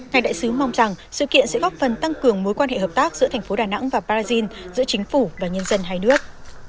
ngài đại sứ mong rằng sự kiện sẽ góp phần tăng cường mối quan hệ hợp tác giữa thành phố đà nẵng và brazil giữa chính phủ và nhân dân hai nước